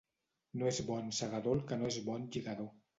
No és bon segador el que no és bon lligador.